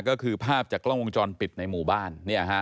ก็คือภาพจากกล้องวงจรปิดในหมู่บ้าน